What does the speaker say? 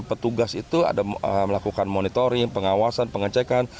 petugas itu ada melakukan monitoring pengawasan pengecekan